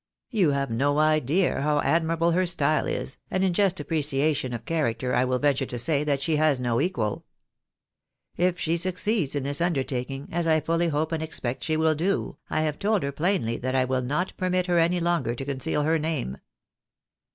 You have no idea how admirable her style is, and in just appreciation of character I wiU venture to say that she has no equal. If she succeeds in tliis under taking, as I fully hope and expect she will do, I have told her plainly that I will not permit her any longer to conceal her name.